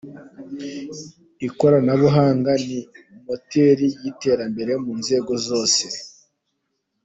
Ikoranabuhanga ni moteri y’iterambere mu nzego zose.